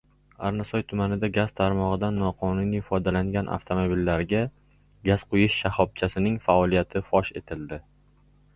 Arnasoy tumanida gaz tarmog‘idan noqonuniy foydalangan avtomobillarga gaz quyish shahobchasining faoliyati fosh etildi